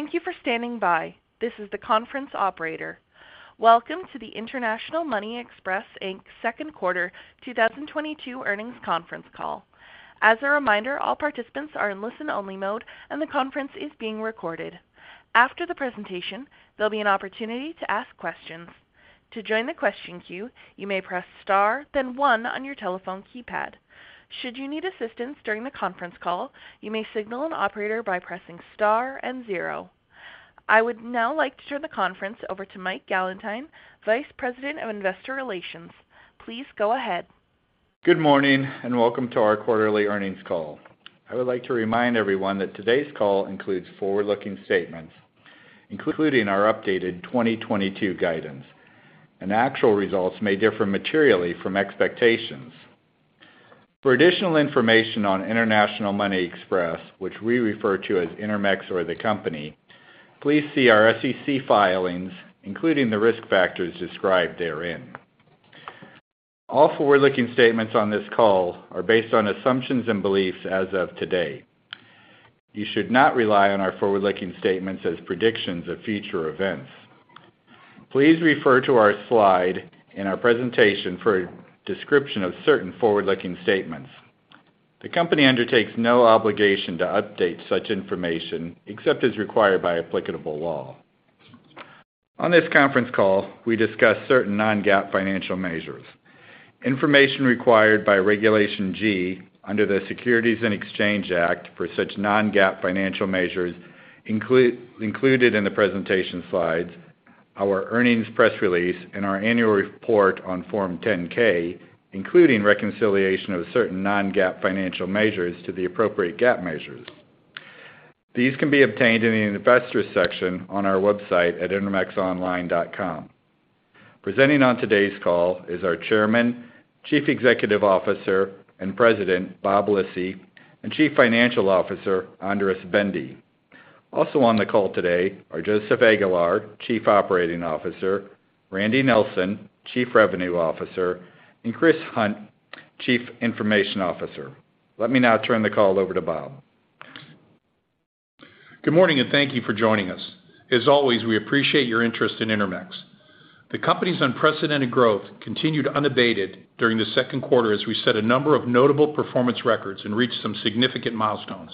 Thank you for standing by. This is the conference operator. Welcome to the International Money Express, Inc., Second Quarter 2022 Earnings Conference Call. As a reminder, all participants are in listen-only mode, and the conference is being recorded. After the presentation, there'll be an opportunity to ask questions. To join the question queue, you may press star then one on your telephone keypad. Should you need assistance during the conference call, you may signal an operator by pressing star and zero. I would now like to turn the conference over to Mike Gallentine, Vice President of Investor Relations. Please go ahead. Good morning and welcome to our quarterly earnings call. I would like to remind everyone that today's call includes forward-looking statements, including our updated 2022 guidance, and actual results may differ materially from expectations. For additional information on International Money Express, which we refer to as Intermex or the company, please see our SEC filings, including the risk factors described therein. All forward-looking statements on this call are based on assumptions and beliefs as of today. You should not rely on our forward-looking statements as predictions of future events. Please refer to our slide in our presentation for a description of certain forward-looking statements. The company undertakes no obligation to update such information except as required by applicable law. On this conference call, we discuss certain non-GAAP financial measures. Information required by Regulation G under the Securities and Exchange Act for such non-GAAP financial measures included in the presentation slides, our earnings press release and our annual report on Form 10-K, including reconciliation of certain non-GAAP financial measures to the appropriate GAAP measures. These can be obtained in the Investors section on our website at intermexonline.com. Presenting on today's call is our Chairman, Chief Executive Officer and President, Bob Lisy, and Chief Financial Officer, Andras Bende. Also on the call today are Joseph Aguilar, Chief Operating Officer, Randy Nilsen, Chief Revenue Officer, and Chris Hunt, Chief Information Officer. Let me now turn the call over to Bob. Good morning, and thank you for joining us. As always, we appreciate your interest in Intermex. The company's unprecedented growth continued unabated during the second quarter as we set a number of notable performance records and reached some significant milestones.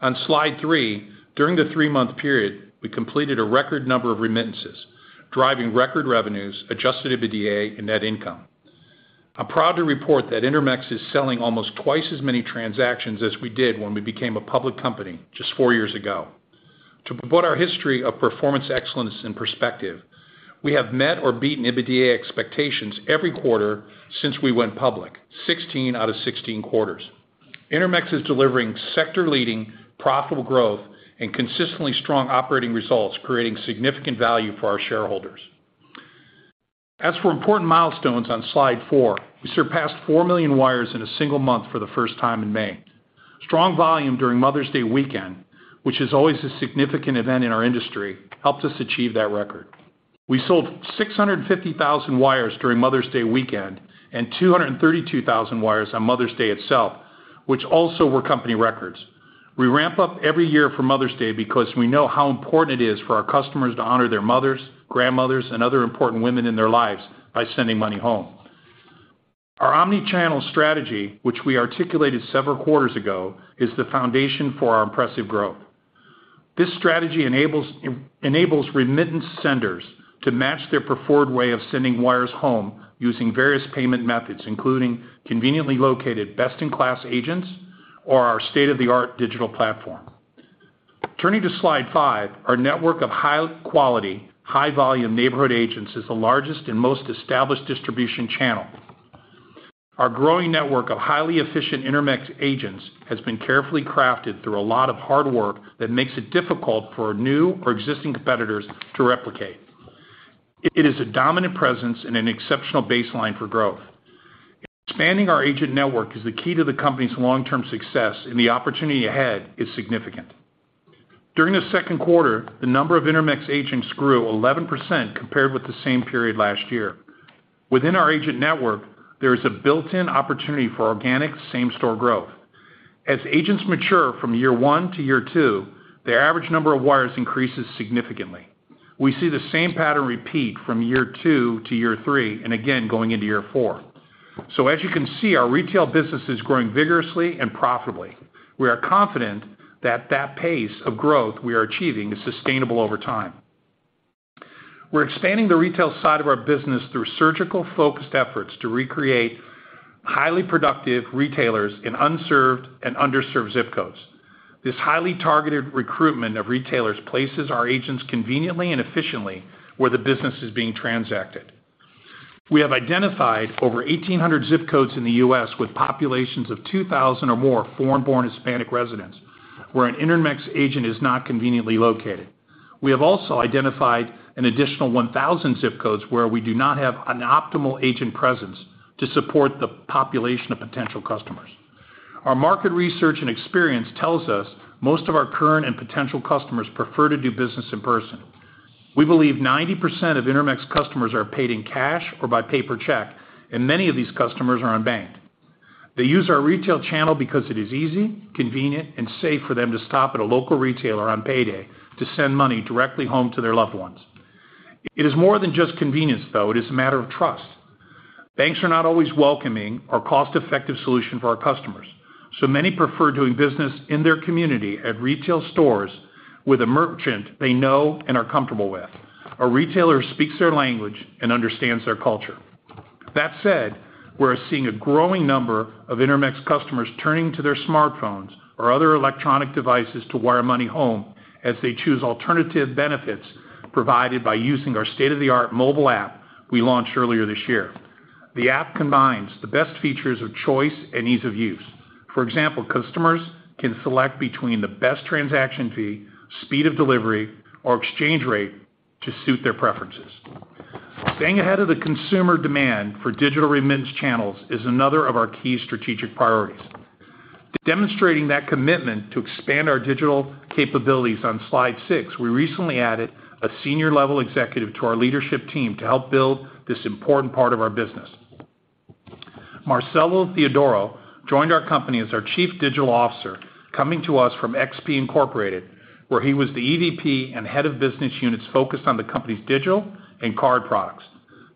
On slide three, during the three-month period, we completed a record number of remittances, driving record revenues, Adjusted EBITDA and Net Income. I'm proud to report that Intermex is selling almost twice as many transactions as we did when we became a public company just four years ago. To put our history of performance excellence in perspective, we have met or beaten EBITDA expectations every quarter since we went public, 16 out of 16 quarters. Intermex is delivering sector-leading profitable growth and consistently strong operating results, creating significant value for our shareholders. As for important milestones on slide four, we surpassed 4 million wires in a single month for the first time in May. Strong volume during Mother's Day weekend, which is always a significant event in our industry, helped us achieve that record. We sold 650,000 wires during Mother's Day weekend and 232,000 wires on Mother's Day itself, which also were company records. We ramp up every year for Mother's Day because we know how important it is for our customers to honor their mothers, grandmothers, and other important women in their lives by sending money home. Our omni-channel strategy, which we articulated several quarters ago, is the foundation for our impressive growth. This strategy enables remittance senders to match their preferred way of sending wires home using various payment methods, including conveniently located best-in-class agents or our state-of-the-art digital platform. Turning to slide five, our network of high quality, high volume neighborhood agents is the largest and most established distribution channel. Our growing network of highly efficient Intermex agents has been carefully crafted through a lot of hard work that makes it difficult for new or existing competitors to replicate. It is a dominant presence and an exceptional baseline for growth. Expanding our agent network is the key to the company's long-term success, and the opportunity ahead is significant. During the second quarter, the number of Intermex agents grew 11% compared with the same period last year. Within our agent network, there is a built-in opportunity for organic same-store growth. As agents mature from year one to year two, their average number of wires increases significantly. We see the same pattern repeat from year two to year three and again going into year four. As you can see, our retail business is growing vigorously and profitably. We are confident that that pace of growth we are achieving is sustainable over time. We're expanding the retail side of our business through surgical-focused efforts to recreate highly productive retailers in unserved and underserved ZIP codes. This highly targeted recruitment of retailers places our agents conveniently and efficiently where the business is being transacted. We have identified over 1,800 ZIP codes in the U.S. with populations of 2,000 or more foreign-born Hispanic residents where an Intermex agent is not conveniently located. We have also identified an additional 1,000 ZIP codes where we do not have an optimal agent presence to support the population of potential customers. Our market research and experience tells us most of our current and potential customers prefer to do business in person. We believe 90% of Intermex customers are paid in cash or by paper check, and many of these customers are unbanked. They use our retail channel because it is easy, convenient, and safe for them to stop at a local retailer on payday to send money directly home to their loved ones. It is more than just convenience, though, it is a matter of trust. Banks are not always welcoming or cost-effective solution for our customers, so many prefer doing business in their community at retail stores with a merchant they know and are comfortable with. A retailer speaks their language and understands their culture. That said, we're seeing a growing number of Intermex customers turning to their smartphones or other electronic devices to wire money home as they choose alternative benefits provided by using our state-of-the-art mobile app we launched earlier this year. The app combines the best features of choice and ease of use. For example, customers can select between the best transaction fee, speed of delivery, or exchange rate to suit their preferences. Staying ahead of the consumer demand for digital remittance channels is another of our key strategic priorities. Demonstrating that commitment to expand our digital capabilities on slide six, we recently added a senior-level executive to our leadership team to help build this important part of our business. Marcelo Theodoro joined our company as our Chief Digital Officer, coming to us from XP Inc., where he was the EVP and head of business units focused on the company's digital and card products.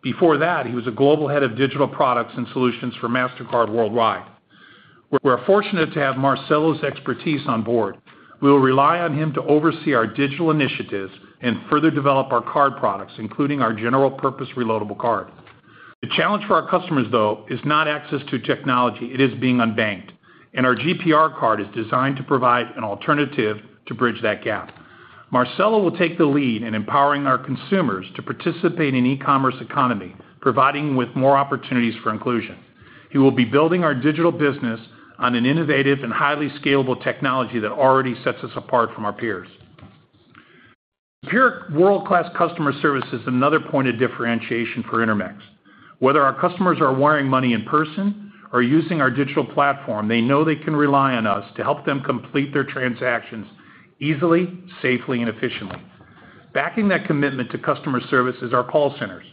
Before that, he was a global head of digital products and solutions for Mastercard Worldwide. We're fortunate to have Marcelo's expertise on board. We will rely on him to oversee our digital initiatives and further develop our card products, including our general-purpose reloadable card. The challenge for our customers, though, is not access to technology. It is being unbanked, and our GPR card is designed to provide an alternative to bridge that gap. Marcelo will take the lead in empowering our consumers to participate in e-commerce economy, providing with more opportunities for inclusion. He will be building our digital business on an innovative and highly scalable technology that already sets us apart from our peers. Here, world-class customer service is another point of differentiation for Intermex. Whether our customers are wiring money in person or using our digital platform, they know they can rely on us to help them complete their transactions easily, safely, and efficiently. Backing that commitment to customer service is our call centers.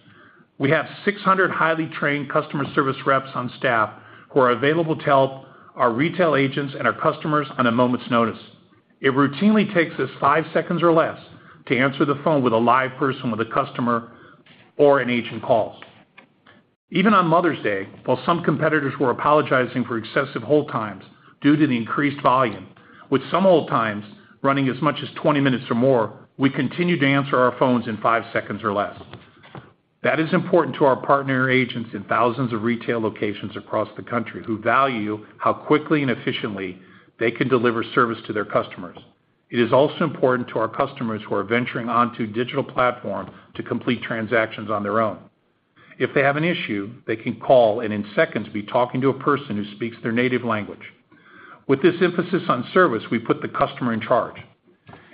We have 600 highly trained customer service reps on staff who are available to help our retail agents and our customers on a moment's notice. It routinely takes us five seconds or less to answer the phone with a live person with a customer or an agent call. Even on Mother's Day, while some competitors were apologizing for excessive hold times due to the increased volume, with some hold times running as much as 20 minutes or more, we continue to answer our phones in five seconds or less. That is important to our partner agents in thousands of retail locations across the country who value how quickly and efficiently they can deliver service to their customers. It is also important to our customers who are venturing onto digital platform to complete transactions on their own. If they have an issue, they can call and in seconds, be talking to a person who speaks their native language. With this emphasis on service, we put the customer in charge.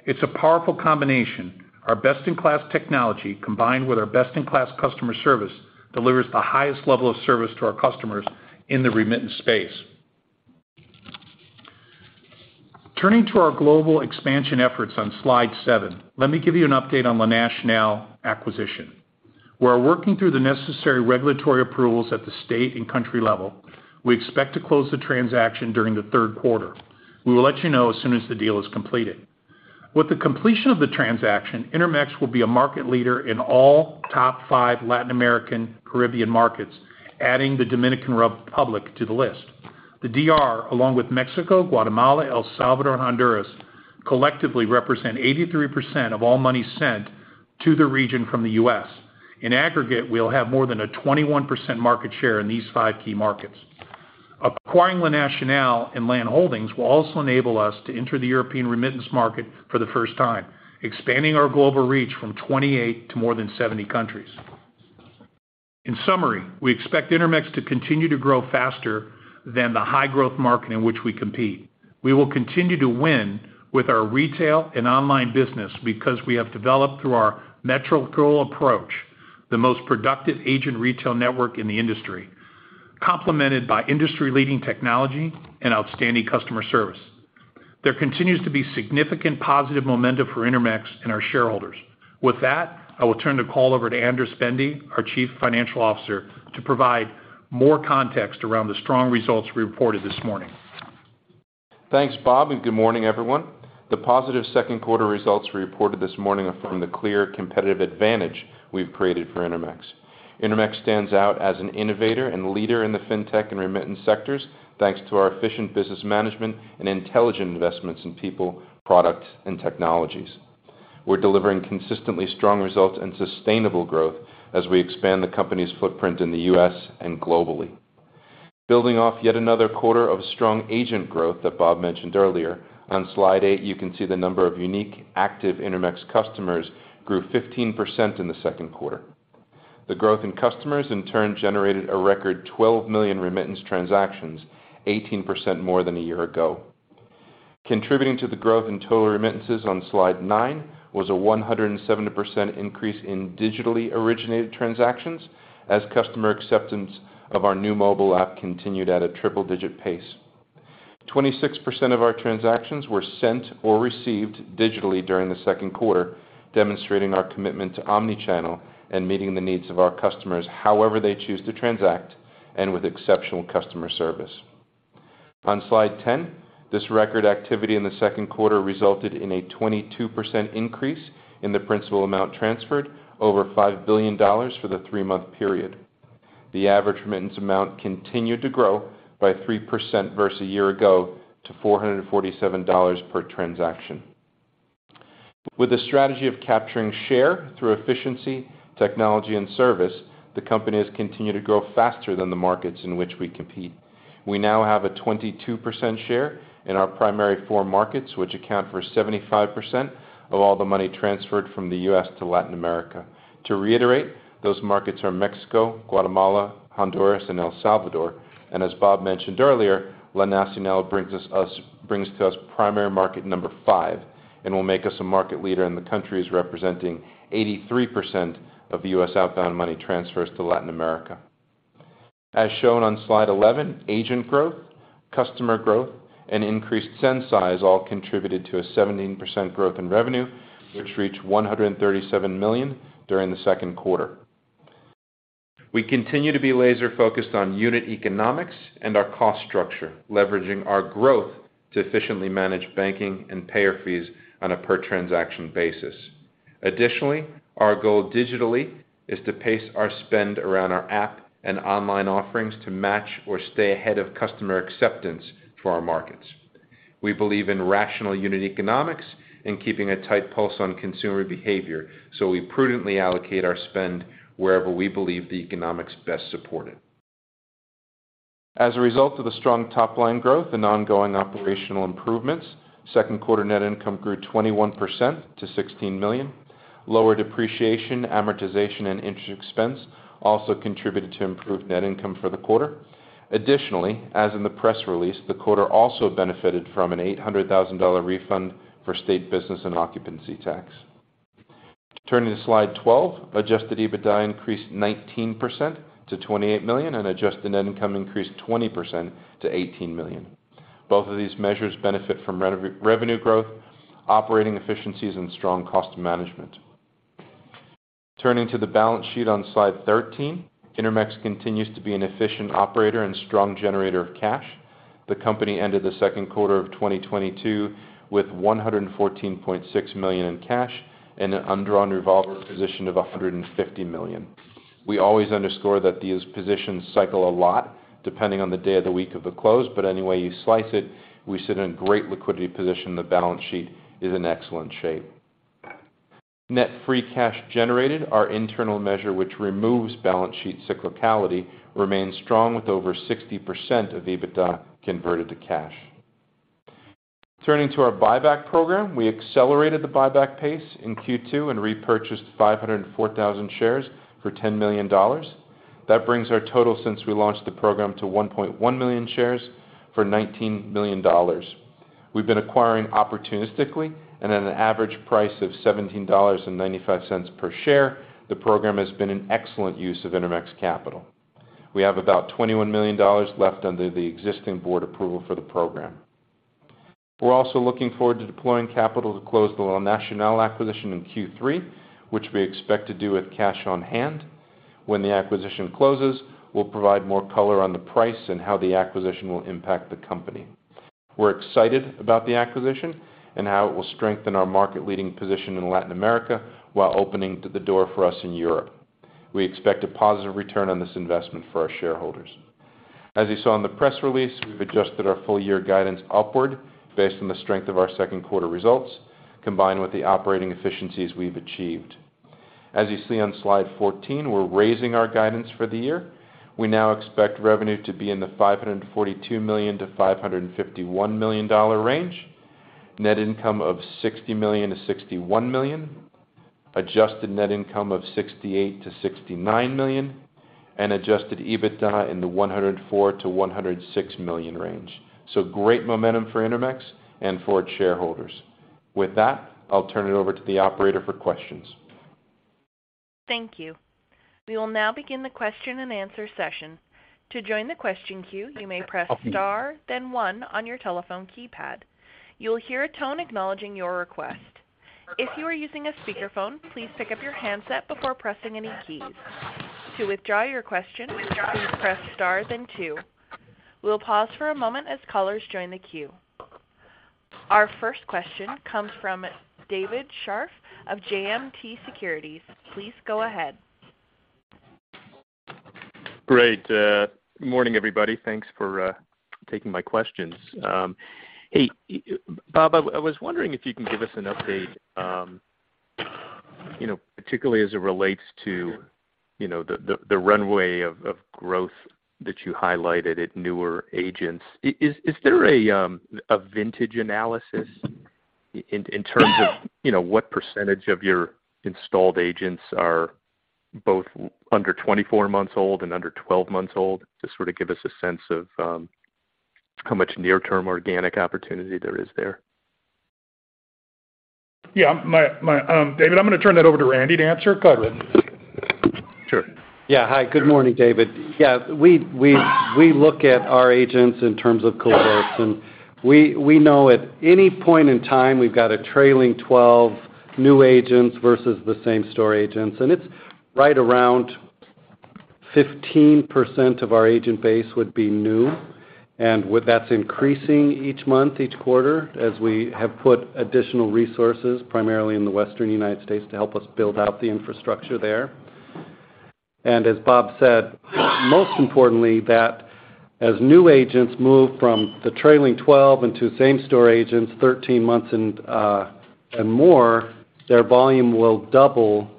It's a powerful combination. Our best-in-class technology, combined with our best-in-class customer service, delivers the highest level of service to our customers in the remittance space. Turning to our global expansion efforts on slide seven, let me give you an update on La Nacional acquisition. We're working through the necessary regulatory approvals at the state and country level. We expect to close the transaction during the third quarter. We will let you know as soon as the deal is completed. With the completion of the transaction, Intermex will be a market leader in all top five Latin American Caribbean markets, adding the Dominican Republic to the list. The DR, along with Mexico, Guatemala, El Salvador, and Honduras, collectively represent 83% of all money sent to the region from the U.S. In aggregate, we'll have more than a 21% market share in these five key markets. Acquiring La Nacional and LAN Holdings will also enable us to enter the European remittance market for the first time, expanding our global reach from 28 to more than 70 countries. In summary, we expect Intermex to continue to grow faster than the high-growth market in which we compete. We will continue to win with our retail and online business because we have developed through our methodical approach, the most productive agent retail network in the industry, complemented by industry-leading technology and outstanding customer service. There continues to be significant positive momentum for Intermex and our shareholders. With that, I will turn the call over to Andras Bende, our Chief Financial Officer, to provide more context around the strong results we reported this morning. Thanks, Bob, and good morning, everyone. The positive second quarter results we reported this morning are from the clear competitive advantage we've created for Intermex. Intermex stands out as an innovator and leader in the fintech and remittance sectors, thanks to our efficient business management and intelligent investments in people, products, and technologies. We're delivering consistently strong results and sustainable growth as we expand the company's footprint in the U.S. and globally. Building off yet another quarter of strong agent growth that Bob mentioned earlier, on slide eight, you can see the number of unique active Intermex customers grew 15% in the second quarter. The growth in customers in turn generated a record 12 million remittance transactions, 18% more than a year ago. Contributing to the growth in total remittances on slide nine was a 170% increase in digitally originated transactions as customer acceptance of our new mobile app continued at a triple-digit pace. 26% of our transactions were sent or received digitally during the second quarter, demonstrating our commitment to omni-channel and meeting the needs of our customers however they choose to transact, and with exceptional customer service. On slide 10, this record activity in the second quarter resulted in a 22% increase in the principal amount transferred over $5 billion for the three-month period. The average remittance amount continued to grow by 3% versus a year ago to $447 per transaction. With the strategy of capturing share through efficiency, technology, and service, the company has continued to grow faster than the markets in which we compete. We now have a 22% share in our primary four markets, which account for 75% of all the money transferred from the U.S. to Latin America. To reiterate, those markets are Mexico, Guatemala, Honduras, and El Salvador. As Bob mentioned earlier, La Nacional brings to us primary market number five and will make us a market leader in the countries representing 83% of the U.S. outbound money transfers to Latin America. As shown on slide 11, agent growth, customer growth, and increased send size all contributed to a 17% growth in revenue, which reached $137 million during the second quarter. We continue to be laser-focused on unit economics and our cost structure, leveraging our growth to efficiently manage banking and payer fees on a per transaction basis. Additionally, our goal digitally is to pace our spend around our app and online offerings to match or stay ahead of customer acceptance for our markets. We believe in rational unit economics and keeping a tight pulse on consumer behavior, so we prudently allocate our spend wherever we believe the economics best support it. As a result of the strong top-line growth and ongoing operational improvements, second quarter net income grew 21% to $16 million. Lower depreciation, amortization, and interest expense also contributed to improved net income for the quarter. Additionally, as in the press release, the quarter also benefited from an $800,000 refund for state business and occupancy tax. Turning to slide 12, Adjusted EBITDA increased 19% to $28 million, and Adjusted Net Income increased 20% to $18 million. Both of these measures benefit from revenue growth, operating efficiencies, and strong cost management. Turning to the balance sheet on slide 13, Intermex continues to be an efficient operator and strong generator of cash. The company ended the second quarter of 2022 with $114.6 million in cash and an undrawn revolver position of $150 million. We always underscore that these positions cycle a lot depending on the day of the week of a close. Any way you slice it, we sit in great liquidity position. The balance sheet is in excellent shape. Net free cash generated, our internal measure, which removes balance sheet cyclicality, remains strong with over 60% of EBITDA converted to cash. Turning to our buyback program, we accelerated the buyback pace in Q2 and repurchased 504,000 shares for $10 million. That brings our total since we launched the program to 1.1 million shares for $19 million. We've been acquiring opportunistically and at an average price of $17.95 per share. The program has been an excellent use of Intermex capital. We have about $21 million left under the existing board approval for the program. We're also looking forward to deploying capital to close the La Nacional acquisition in Q3, which we expect to do with cash on-hand. When the acquisition closes, we'll provide more color on the price and how the acquisition will impact the company. We're excited about the acquisition and how it will strengthen our market-leading position in Latin America while opening the door for us in Europe. We expect a positive return on this investment for our shareholders. As you saw in the press release, we've adjusted our full year guidance upward based on the strength of our second quarter results, combined with the operating efficiencies we've achieved. As you see on slide 14, we're raising our guidance for the year. We now expect revenue to be in the $542 million-$551 million range, net income of $60 million-$61 million, Adjusted Net Income of $68 million-$69 million, and Adjusted EBITDA in the $104 million-$106 million range. Great momentum for Intermex and for its shareholders. With that, I'll turn it over to the operator for questions. Thank you. We will now begin the question-and-answer session. To join the question queue, you may press star then one on your telephone keypad. You will hear a tone acknowledging your request. If you are using a speakerphone, please pick up your handset before pressing any keys. To withdraw your question, please press star then two. We'll pause for a moment as callers join the queue. Our first question comes from David Scharf of JMP Securities. Please go ahead. Great. Good morning, everybody. Thanks for taking my questions. Hey, Bob, I was wondering if you can give us an update, you know, particularly as it relates to, you know, the runway of growth that you highlighted at newer agents. Is there a vintage analysis in terms of, you know, what percentage of your installed agents are both under 24 months old and under 12 months old? Just sort of give us a sense of how much near-term organic opportunity there is there. Yeah, David, I'm gonna turn that over to Randy to answer. Go ahead, Randy. Sure. Yeah. Hi. Good morning, David. Yeah, we look at our agents in terms of cohorts, and we know at any point in time we've got a trailing twelve new agents versus the same-store agents, and it's right around 15% of our agent base would be new. With that's increasing each month, each quarter as we have put additional resources, primarily in the Western United States, to help us build out the infrastructure there. As Bob said, most importantly, that as new agents move from the trailing twelve into same-store agents 13 months and more, their volume will double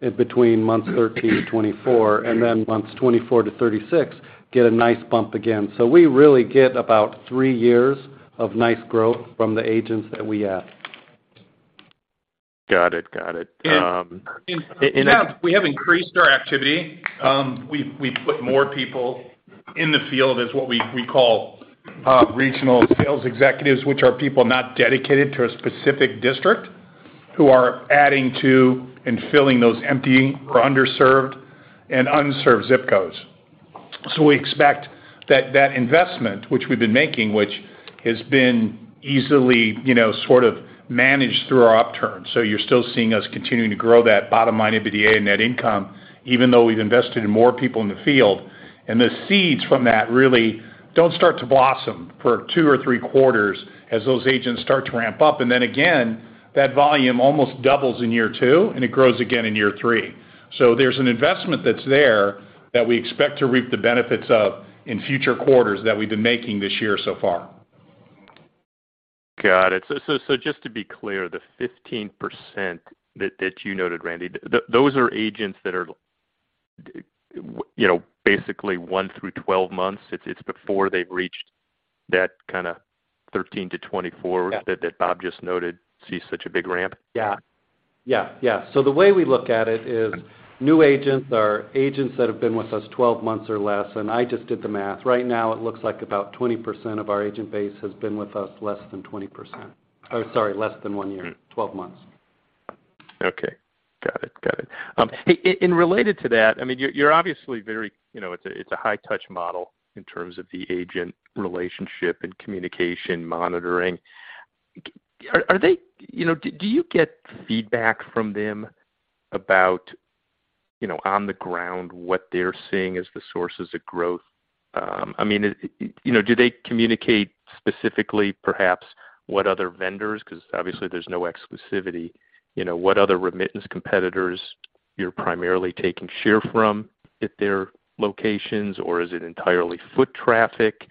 in between months 13 to 24, and then months 24 to 36 get a nice bump again. We really get about three years of nice growth from the agents that we add. Got it. We have increased our activity. We put more people in the field as what we call regional sales executives, which are people not dedicated to a specific district who are adding to and filling those empty or underserved and unserved ZIP codes. We expect that investment, which we've been making, which has been easily, you know, sort of managed through our upturn, you're still seeing us continuing to grow that bottom line EBITDA and net income, even though we've invested in more people in the field. The seeds from that really don't start to blossom for two or three quarters as those agents start to ramp up. That volume almost doubles in year two, and it grows again in year three. There's an investment that's there that we expect to reap the benefits of in future quarters that we've been making this year so far. Got it. Just to be clear, the 15% that you noted, Randy, those are agents that are, you know, basically one through 12 months. It's before they've reached that kind of 13 to 24- Yeah that Bob just noted sees such a big ramp. Yeah, the way we look at it is new agents are agents that have been with us 12 months or less, and I just did the math. Right now it looks like about 20% of our agent base has been with us less than 20%. Oh, sorry, less than one year. All right. 12 months. Okay. Got it. Hey, related to that, I mean, you're obviously very. You know, it's a high touch model in terms of the agent relationship and communication monitoring. Are they. You know, do you get feedback from them about, you know, on the ground, what they're seeing as the sources of growth? I mean, you know, do they communicate specifically perhaps what other vendors? 'Cause obviously there's no exclusivity, you know, what other remittance competitors you're primarily taking share from at their locations, or is it entirely foot traffic?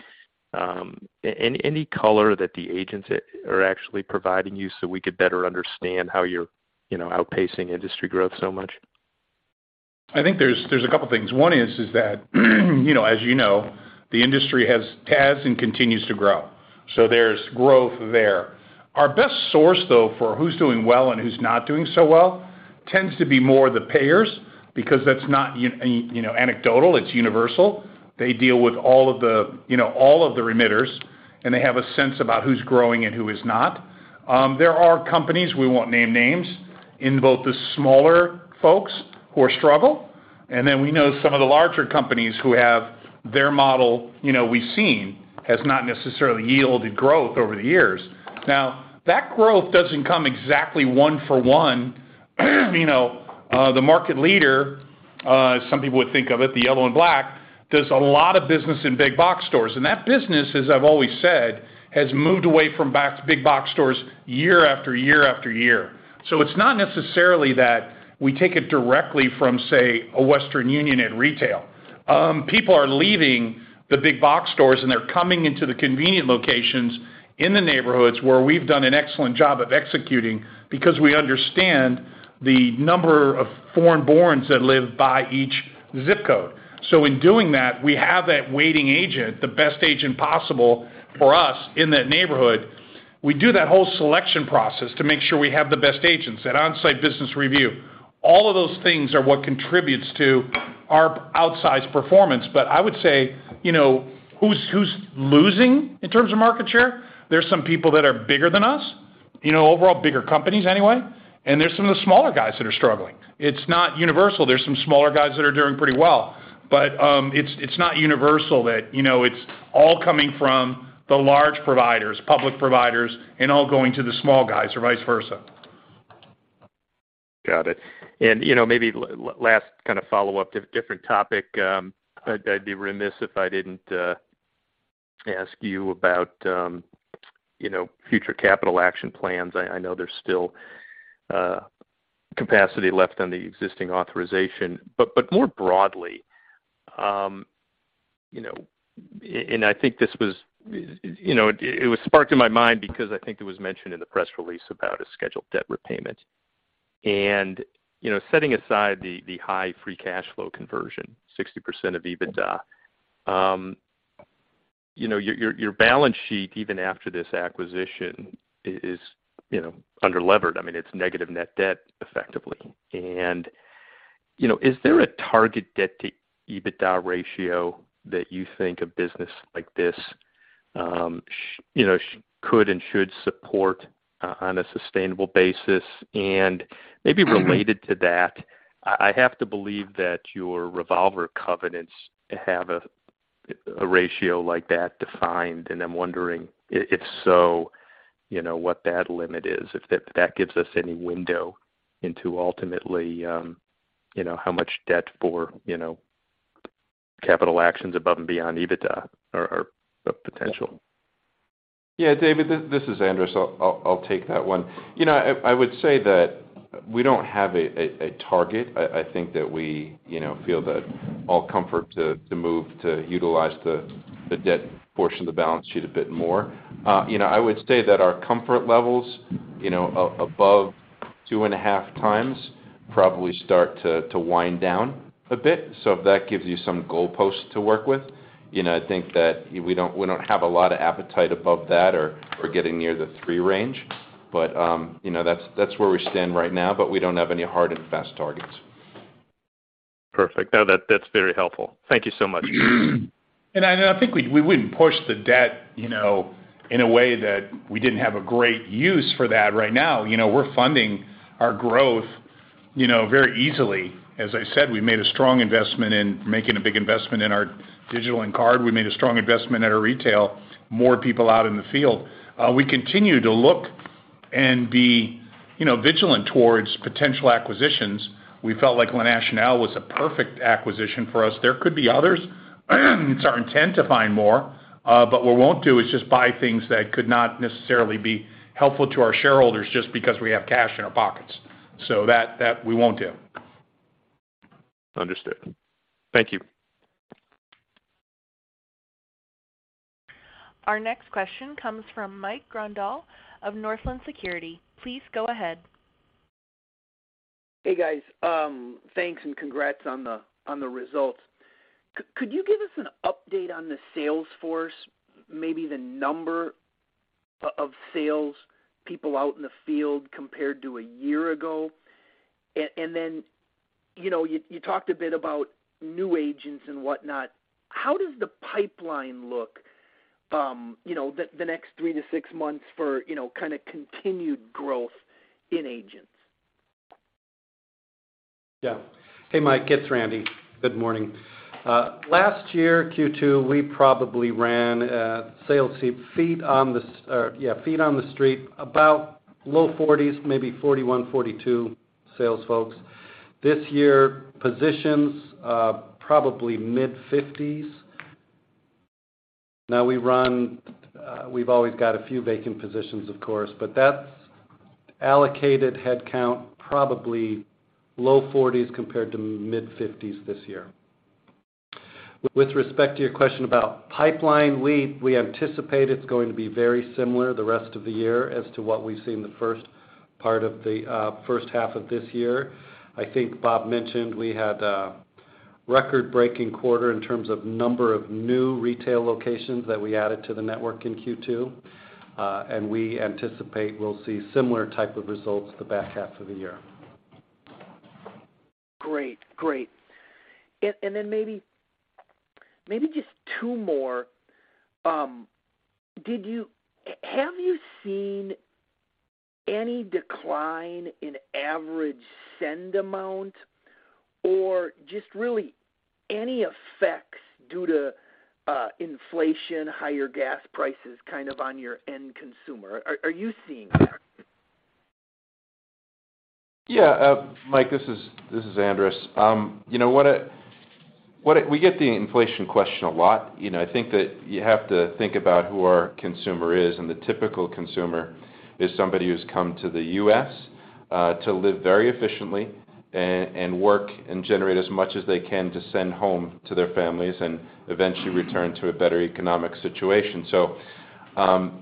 Any color that the agents are actually providing you so we could better understand how you're, you know, outpacing industry growth so much. I think there's a couple things. One is that, you know, as you know, the industry has and continues to grow. So there's growth there. Our best source, though, for who's doing well and who's not doing so well tends to be more the payers because that's not any, you know, anecdotal, it's universal. They deal with all of the, you know, all of the remitters, and they have a sense about who's growing and who is not. There are companies, we won't name names, in both the smaller folks who are struggling, and then we know some of the larger companies who have their model, you know, we've seen has not necessarily yielded growth over the years. Now, that growth doesn't come exactly one for one. You know, the market leader, some people would think of it, the yellow and black, does a lot of business in big box stores. That business, as I've always said, has moved away from big box stores year after year after year. It's not necessarily that we take it directly from, say, a Western Union at retail. People are leaving the big box stores, and they're coming into the convenient locations in the neighborhoods where we've done an excellent job of executing because we understand the number of foreign borns that live by each ZIP code. In doing that, we have that waiting agent, the best agent possible for us in that neighborhood. We do that whole selection process to make sure we have the best agents, that onsite business review. All of those things are what contributes to our outsized performance. I would say, you know, who's losing in terms of market share? There's some people that are bigger than us, you know, overall bigger companies anyway. There's some of the smaller guys that are struggling. It's not universal. There's some smaller guys that are doing pretty well. It's not universal that, you know, it's all coming from the large providers, public providers, and all going to the small guys or vice versa. Got it. You know, maybe last kind of follow-up, different topic, I'd be remiss if I didn't ask you about, you know, future capital action plans. I know there's still capacity left on the existing authorization. More broadly, you know, and I think this was, you know, it was sparked in my mind because I think it was mentioned in the press release about a scheduled debt repayment. You know, setting aside the high free cash flow conversion, 60% of EBITDA, you know, your balance sheet, even after this acquisition is, you know, underlevered. I mean, it's negative net debt effectively. You know, is there a target debt to EBITDA ratio that you think a business like this, you know, could and should support on a sustainable basis? Maybe related to that, I have to believe that your revolver covenants have a ratio like that defined, and I'm wondering if so, you know, what that limit is. If that gives us any window into ultimately, you know, how much debt for, you know, capital actions above and beyond EBITDA are potential. Yeah, David, this is Andras. I'll take that one. You know, I would say that we don't have a target. I think that we, you know, feel comfortable to move to utilize the debt portion of the balance sheet a bit more. You know, I would say that our comfort levels, you know, above 2.5x probably start to wind down a bit. If that gives you some goalposts to work with. You know, I think that we don't have a lot of appetite above that or getting near the three range. You know, that's where we stand right now, but we don't have any hard and fast targets. Perfect. No, that's very helpful. Thank you so much. I think we wouldn't push the debt, you know, in a way that we didn't have a great use for that right now. You know, we're funding our growth, you know, very easily. As I said, we made a strong investment in making a big investment in our digital and card. We made a strong investment at our retail, more people out in the field. We continue to look and be, you know, vigilant towards potential acquisitions. We felt like La Nacional was a perfect acquisition for us. There could be others. It's our intent to find more, but what we won't do is just buy things that could not necessarily be helpful to our shareholders just because we have cash in our pockets. So that, we won't do. Understood. Thank you. Our next question comes from Mike Grondahl of Northland Securities. Please go ahead. Hey, guys. Thanks and congrats on the results. Could you give us an update on the sales force, maybe the number of sales people out in the field compared to a year ago? And then, you know, you talked a bit about new agents and whatnot. How does the pipeline look, you know, the next three to six months for, you know, kinda continued growth in agents? Yeah. Hey, Mike, it's Randy. Good morning. Last year, Q2, we probably ran at sales feet on the street, about low 40s, maybe 41, 42 sales folks. This year, positions, probably mid-50s. Now we run, we've always got a few vacant positions, of course, but that's allocated headcount, probably low 40s compared to mid-50s this year. With respect to your question about pipeline, we anticipate it's going to be very similar the rest of the year as to what we've seen the first part of the first half of this year. I think Bob mentioned we had a record-breaking quarter in terms of number of new retail locations that we added to the network in Q2. We anticipate we'll see similar type of results the back half of the year. Great. Maybe just two more. Have you seen any decline in average send amount or just really any effects due to inflation, higher gas prices kind of on your end consumer? Are you seeing that? Yeah. Mike, this is Andras. You know what, we get the inflation question a lot. You know, I think that you have to think about who our consumer is, and the typical consumer is somebody who's come to the U.S., to live very efficiently and work and generate as much as they can to send home to their families and eventually return to a better economic situation.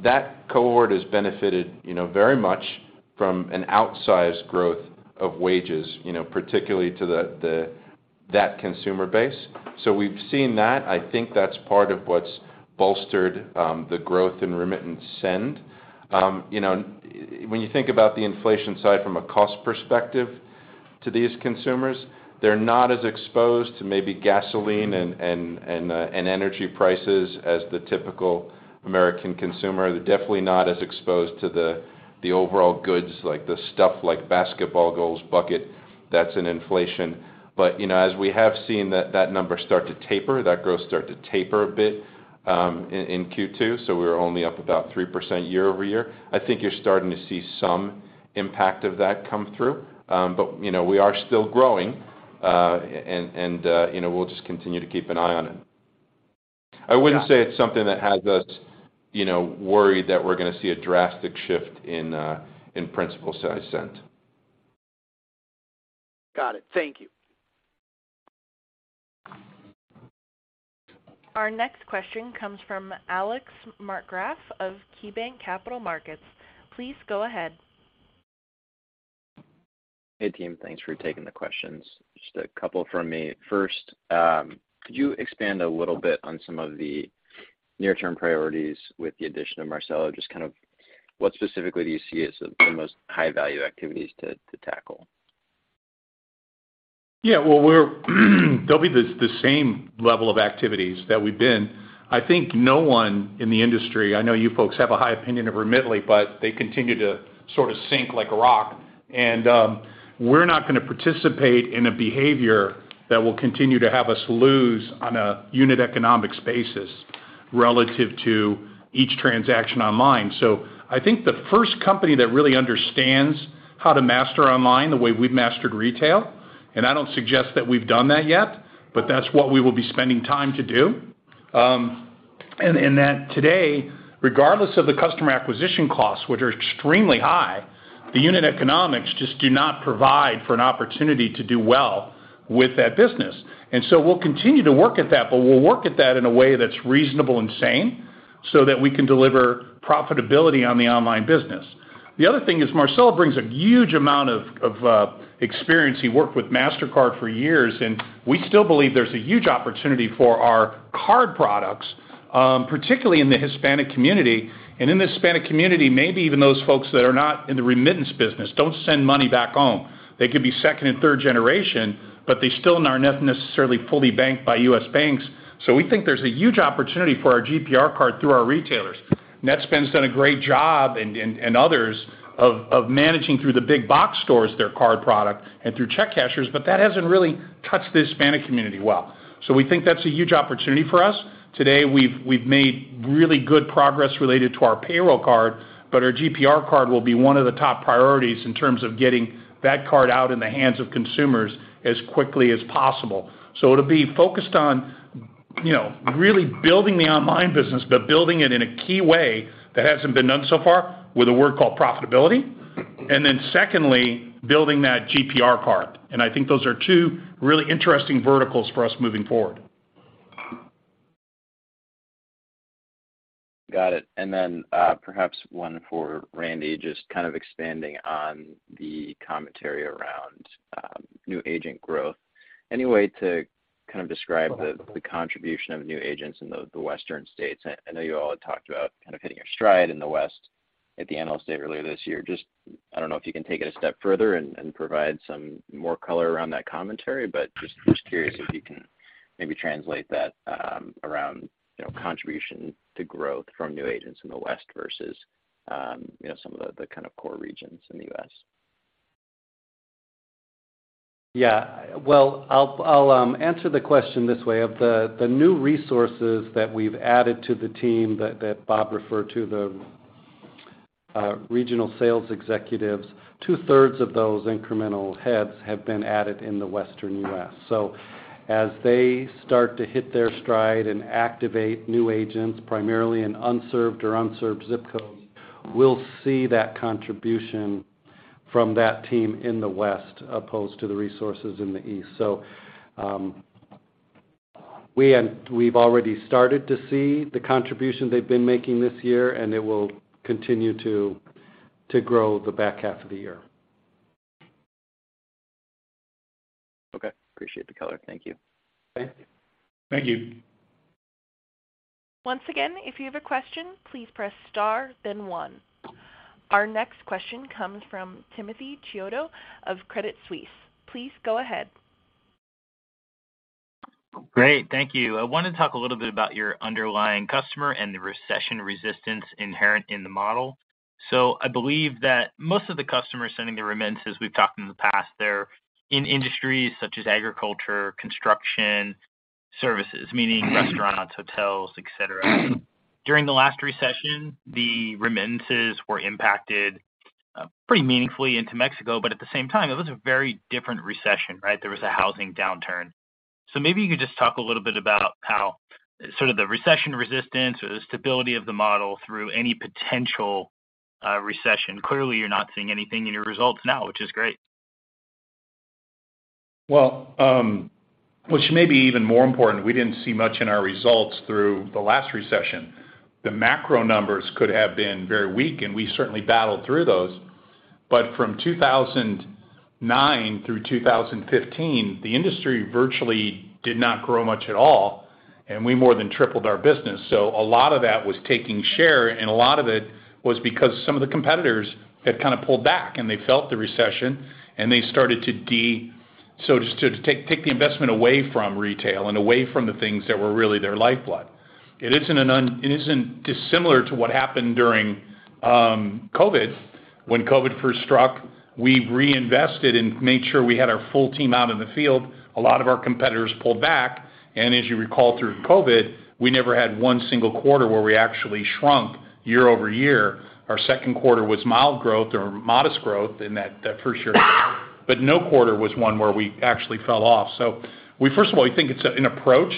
That cohort has benefited, you know, very much from an outsized growth of wages, you know, particularly to that consumer base. We've seen that. I think that's part of what's bolstered the growth in remittance send. You know, when you think about the inflation side from a cost perspective to these consumers, they're not as exposed to maybe gasoline and energy prices as the typical American consumer. They're definitely not as exposed to the overall goods like the stuff like basket of goods that's in inflation. You know, as we have seen that number start to taper, that growth start to taper a bit, in Q2, so we're only up about 3% year-over-year. I think you're starting to see some impact of that come through. You know, we are still growing, and you know, we'll just continue to keep an eye on it. I wouldn't say it's something that has us, you know, worried that we're gonna see a drastic shift in principal size sent. Got it. Thank you. Our next question comes from Alex Markgraff of KeyBanc Capital Markets. Please go ahead. Hey, team. Thanks for taking the questions. Just a couple from me. First, could you expand a little bit on some of the Near-term priorities with the addition of Marcelo, just kind of what specifically do you see as the most high-value activities to tackle? Yeah. Well, they'll be the same level of activities that we've been. I think no one in the industry. I know you folks have a high opinion of Remitly, but they continue to sort of sink like a rock, and we're not gonna participate in a behavior that will continue to have us lose on a unit economics basis relative to each transaction online. I think the first company that really understands how to master online the way we've mastered retail, and I don't suggest that we've done that yet, but that's what we will be spending time to do. That today, regardless of the customer acquisition costs, which are extremely high, the unit economics just do not provide for an opportunity to do well with that business. We'll continue to work at that, but we'll work at that in a way that's reasonable and sane so that we can deliver profitability on the online business. The other thing is Marcelo brings a huge amount of experience. He worked with Mastercard for years, and we still believe there's a huge opportunity for our card products, particularly in the Hispanic community. In the Hispanic community, maybe even those folks that are not in the remittance business don't send money back home. They could be second and third generation, but they still are not necessarily fully banked by U.S. banks. We think there's a huge opportunity for our GPR card through our retailers. Netspend's done a great job and others of managing through the big box stores their card product and through check cashiers, but that hasn't really touched the Hispanic community well. We think that's a huge opportunity for us. Today, we've made really good progress related to our payroll card, but our GPR card will be one of the top priorities in terms of getting that card out in the hands of consumers as quickly as possible. It'll be focused on, you know, really building the online business, but building it in a key way that hasn't been done so far with a word called profitability, and then secondly, building that GPR card. I think those are two really interesting verticals for us moving forward. Got it. Then, perhaps one for Randy, just kind of expanding on the commentary around new agent growth. Any way to kind of describe the contribution of new agents in the western states? I know you all had talked about kind of hitting your stride in the West at the analyst day earlier this year. Just I don't know if you can take it a step further and provide some more color around that commentary, but just curious if you can maybe translate that around, you know, contribution to growth from new agents in the West versus, you know, some of the kind of core regions in the U.S. Yeah. Well, I'll answer the question this way. Of the new resources that we've added to the team that Bob referred to, the regional sales executives, two-thirds of those incremental heads have been added in the western U.S. As they start to hit their stride and activate new agents, primarily in unserved zip codes, we'll see that contribution from that team in the West as opposed to the resources in the East. We've already started to see the contribution they've been making this year, and it will continue to grow the back half of the year. Okay. Appreciate the color. Thank you. Thank you. Thank you. Once again, if you have a question, please press star then one. Our next question comes from Timothy Chiodo of Credit Suisse. Please go ahead. Great. Thank you. I wanna talk a little bit about your underlying customer and the recession resistance inherent in the model. I believe that most of the customers sending the remittances, we've talked in the past, they're in industries such as agriculture, construction, services, meaning restaurants, hotels, et cetera. During the last recession, the remittances were impacted pretty meaningfully into Mexico, but at the same time, it was a very different recession, right? There was a housing downturn. Maybe you could just talk a little bit about how sort of the recession resistance or the stability of the model through any potential recession. Clearly, you're not seeing anything in your results now, which is great. Well, which may be even more important, we didn't see much in our results through the last recession. The macro numbers could have been very weak, and we certainly battled through those. From 2009 through 2015, the industry virtually did not grow much at all, and we more than tripled our business. A lot of that was taking share, and a lot of it was because some of the competitors had kinda pulled back, and they felt the recession, and they started to take the investment away from retail and away from the things that were really their lifeblood. It isn't dissimilar to what happened during COVID. When COVID first struck, we reinvested and made sure we had our full team out in the field. A lot of our competitors pulled back. As you recall, through COVID, we never had one single quarter where we actually shrunk year-over-year. Our second quarter was mild growth or modest growth in that first year. No quarter was one where we actually fell off. We first of all think it's an approach.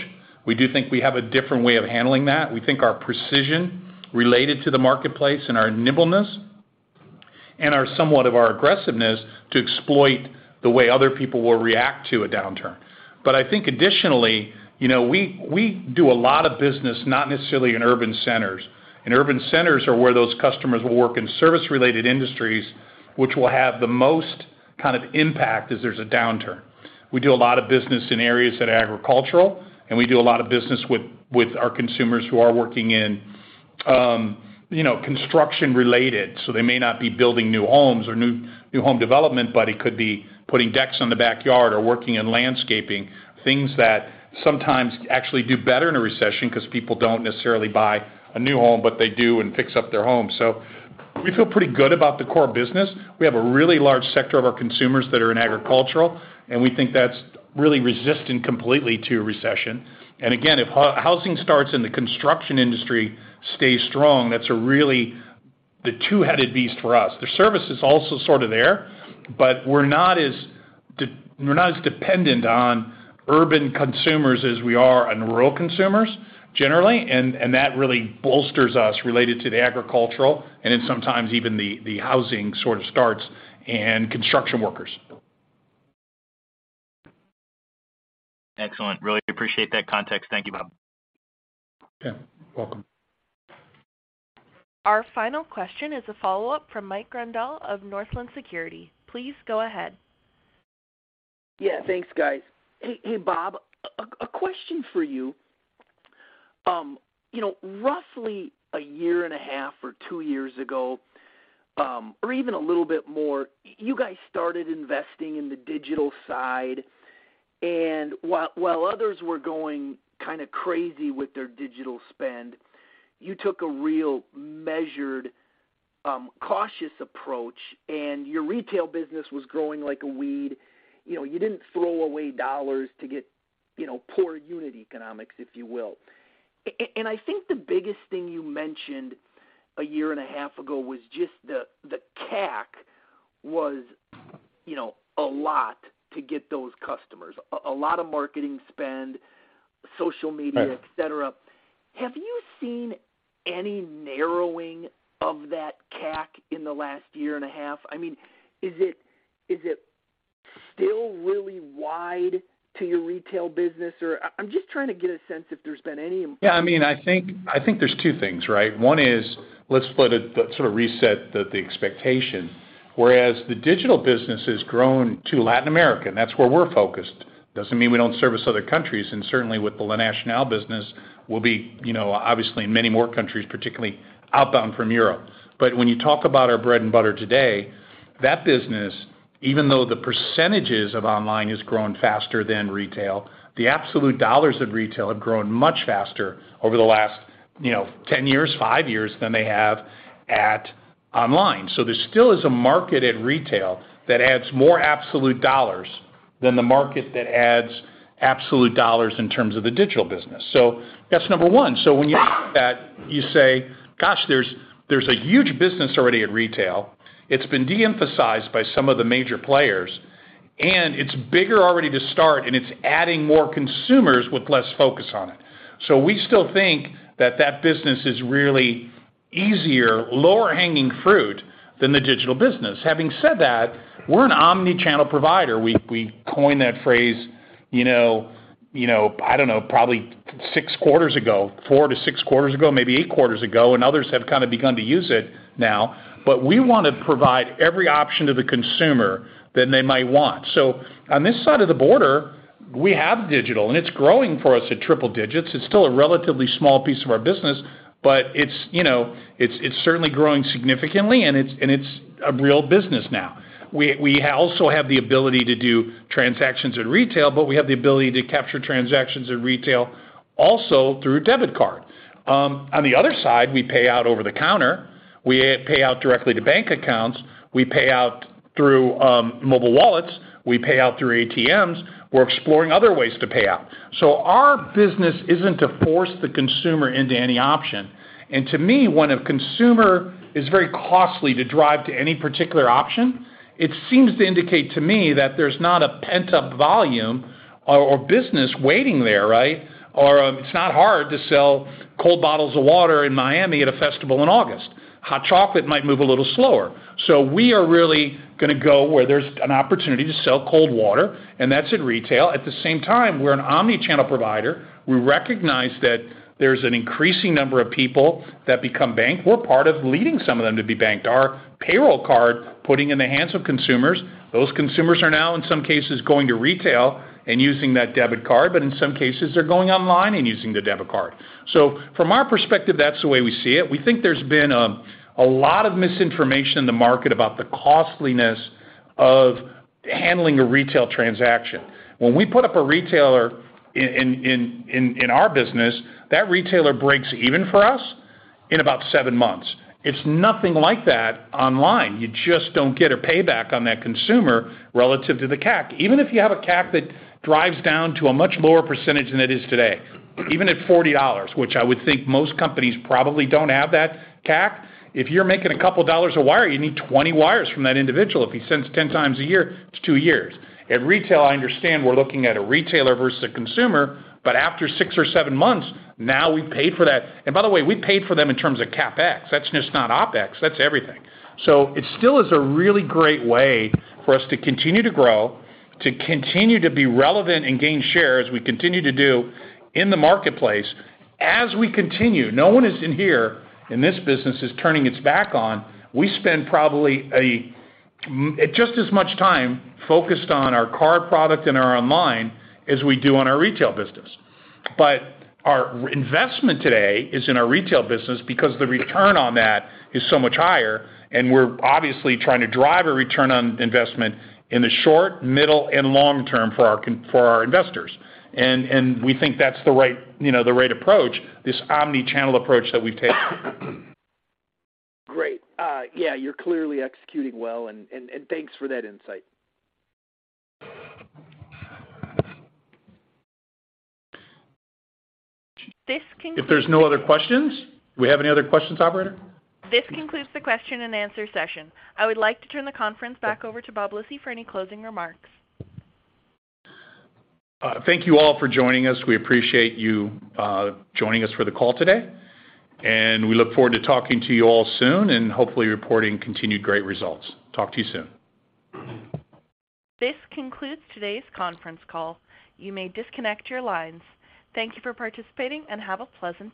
We do think we have a different way of handling that. We think our precision related to the marketplace and our nimbleness and somewhat of our aggressiveness to exploit the way other people will react to a downturn. I think additionally, you know, we do a lot of business not necessarily in urban centers, and urban centers are where those customers will work in service-related industries, which will have the most kind of impact as there's a downturn. We do a lot of business in areas that are agricultural, and we do a lot of business with our consumers who are working in, you know, construction-related. They may not be building new homes or new home development, but it could be putting decks on the backyard or working in landscaping, things that sometimes actually do better in a recession 'cause people don't necessarily buy a new home, but they do and fix up their home. We feel pretty good about the core business. We have a really large sector of our consumers that are in agricultural, and we think that's really resistant completely to a recession. Again, if housing starts and the construction industry stays strong, that's really the two-headed beast for us. The service is also sort of there, but we're not as dependent on urban consumers as we are on rural consumers generally, and that really bolsters us related to the agricultural and in sometimes even the housing sort of starts and construction workers. Excellent. Really appreciate that context. Thank you, Bob. Yeah, welcome. Our final question is a follow-up from Mike Grondahl of Northland Securities. Please go ahead. Yeah, thanks, guys. Hey, Bob, a question for you. You know, roughly 1.5 or two years ago, or even a little bit more, you guys started investing in the digital side. While others were going kinda crazy with their digital spend, you took a real measured, cautious approach, and your retail business was growing like a weed. You know, you didn't throw away dollars to get, you know, poor unit economics, if you will. I think the biggest thing you mentioned 1.5 years ago was just the CAC was, you know, a lot to get those customers, a lot of marketing spend, social media. Right. Have you seen any narrowing of that CAC in the last year and a half? I mean, is it still really wide to your retail business? I'm just trying to get a sense if there's been any- Yeah, I mean, I think there's two things, right? One is let's split it, sorta reset the expectation. Whereas the digital business has grown to Latin America, and that's where we're focused, doesn't mean we don't service other countries, and certainly with the La Nacional business, we'll be, you know, obviously in many more countries, particularly outbound from Europe. But when you talk about our bread and butter today, that business, even though the percentages of online has grown faster than retail, the absolute dollars of retail have grown much faster over the last, you know, 10 years, five years than they have at online. So there still is a market at retail that adds more absolute dollars than the market that adds absolute dollars in terms of the digital business. So that's number one. When you look at that, you say, "Gosh, there's a huge business already at retail. It's been de-emphasized by some of the major players, and it's bigger already to start, and it's adding more consumers with less focus on it." We still think that business is really easier, lower-hanging fruit than the digital business. Having said that, we're an omni-channel provider. We coined that phrase, you know, I don't know, probably six quarters ago, four to six quarters ago, maybe eight quarters ago, and others have kinda begun to use it now. We wanna provide every option to the consumer than they might want. On this side of the border, we have digital, and it's growing for us at triple digits. It's still a relatively small piece of our business, but it's, you know, it's certainly growing significantly, and it's a real business now. We also have the ability to do transactions in retail, but we have the ability to capture transactions in retail also through debit card. On the other side, we pay out over the counter, we pay out directly to bank accounts, we pay out through mobile wallets, we pay out through ATMs. We're exploring other ways to pay out. Our business isn't to force the consumer into any option. To me, when a consumer is very costly to drive to any particular option, it seems to indicate to me that there's not a pent-up volume or business waiting there, right? It's not hard to sell cold bottles of water in Miami at a festival in August. Hot chocolate might move a little slower. We are really gonna go where there's an opportunity to sell cold water, and that's in retail. At the same time, we're an omni-channel provider. We recognize that there's an increasing number of people that become banked. We're part of leading some of them to be banked. Our payroll card, putting in the hands of consumers, those consumers are now in some cases going to retail and using that debit card, but in some cases they're going online and using the debit card. From our perspective, that's the way we see it. We think there's been a lot of misinformation in the market about the costliness of handling a retail transaction. When we put up a retailer in our business, that retailer breaks even for us in about seven months. It's nothing like that online. You just don't get a payback on that consumer relative to the CAC. Even if you have a CAC that drives down to a much lower percentage than it is today, even at $40, which I would think most companies probably don't have that CAC, if you're making a couple of dollars a wire, you need 20 wires from that individual. If he sends 10 times a year, it's two years. In retail, I understand we're looking at a retailer versus a consumer, but after six or seven months, now we've paid for that. By the way, we paid for them in terms of Capex. That's just not Opex. That's everything. It still is a really great way for us to continue to grow, to continue to be relevant and gain share as we continue to do in the marketplace. As we continue, no one in this business is turning its back on. We spend probably just as much time focused on our card product and our online as we do on our retail business. Our investment today is in our retail business because the return on that is so much higher, and we're obviously trying to drive a return on investment in the short, middle, and long term for our investors. We think that's the right, you know, the right approach, this omni-channel approach that we've taken. Great. Yeah, you're clearly executing well, and thanks for that insight. This concludes. If there's no other questions? Do we have any other questions, operator? This concludes the question and answer session. I would like to turn the conference back over to Bob Lisy for any closing remarks. Thank you all for joining us. We appreciate you joining us for the call today, and we look forward to talking to you all soon and hopefully reporting continued great results. Talk to you soon. This concludes today's conference call. You may disconnect your lines. Thank you for participating, and have a pleasant day.